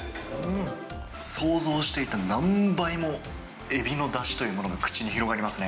想像していた何倍も、エビのだしというものが口に広がりますね。